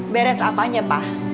beres apanya pak